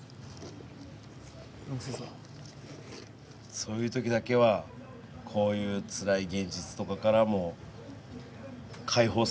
そういう時だけはこういうつらい現実とかからも解放されるんですね。